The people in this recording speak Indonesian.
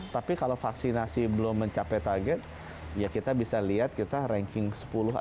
tapi kalau vaksinasi belum mencapai target ya kita bisa lihat kita ranking sepuluh atau